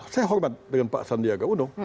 saya hormat dengan pak sandiaga uno